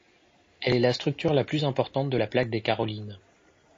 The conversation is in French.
Elle est la structure la plus importante de la plaque des Carolines.